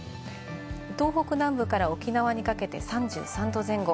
東北南部から沖縄にかけて３３度前後。